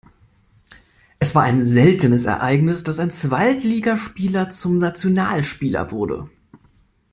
Es war ein seltenes Ereignis, dass ein Zweitligaspieler zum Nationalspieler wurde.